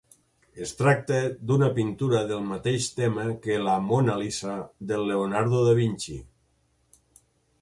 Es tracta d'una pintura del mateix tema que la Mona Lisa de Leonardo da Vinci.